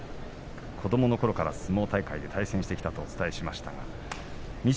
子どものころから相撲大会で対戦してきたとお伝えしましたが錦